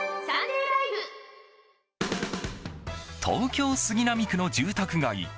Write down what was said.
東京・杉並区の住宅街